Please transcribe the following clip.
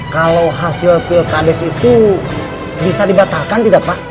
kalau hasil pilkades itu bisa dibatalkan tidak pak